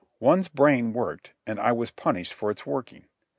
One's brain worked and I was punished for its working.